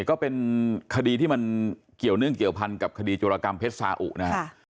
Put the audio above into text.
ก็เป็นคดีที่มันเกี่ยวเนื่องเกี่ยวพันกับคดีจุรกรรมเพชรสาอุนะครับ